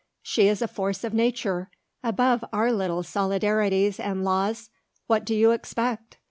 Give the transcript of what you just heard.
She is a force of nature, above our little solidarities and laws. What do you expect?